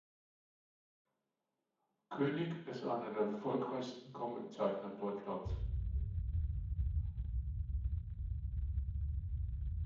König ist einer der erfolgreichsten Comiczeichner Deutschlands.